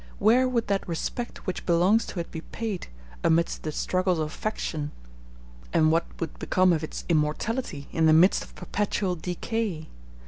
where would that respect which belongs to it be paid, amidst the struggles of faction? and what would become of its immortality, in the midst of perpetual decay?